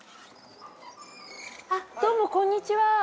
どうもこんにちは。